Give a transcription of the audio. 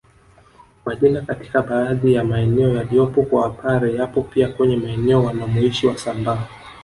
Majina katika baadhi ya maeneo yaliyopo kwa Wapare yapo pia kwenye maeneo wanamoishi wasambaa